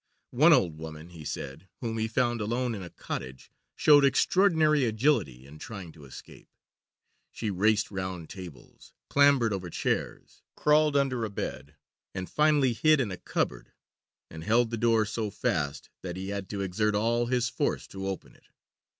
One old woman, he said, whom he found alone in a cottage, showed extraordinary agility in trying to escape. She raced round tables, clambered over chairs, crawled under a bed, and finally hid in a cupboard and held the door so fast that he had to exert all his force to open it.